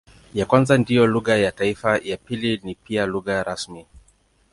Ya kwanza ndiyo lugha ya taifa, ya pili ni pia lugha rasmi.